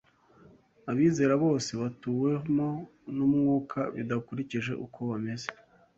abizera bose batuwemo n'Umwuka bidakurikije uko bameze